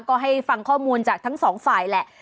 ก็ให้ฟังข้อมูลจากทั้งสองฝ่ายแหละ